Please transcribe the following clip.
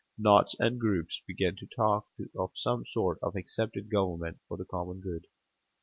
Knots and groups began to talk of some sort of accepted government for the common good.